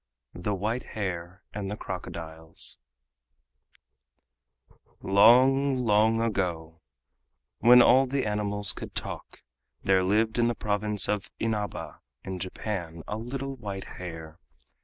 THE WHITE HARE AND THE CROCODILES Long, long ago, when all the animals could talk, there lived in the province of Inaba in Japan, a little white hare.